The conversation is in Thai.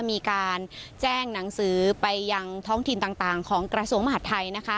มีการแจ้งหนังสือไปยังท้องถิ่นต่างของกระทรวงมหาดไทย